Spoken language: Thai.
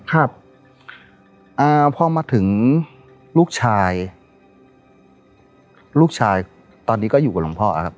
ครับอ่าพอมาถึงลูกชายลูกชายตอนนี้ก็อยู่กับหลวงพ่อครับ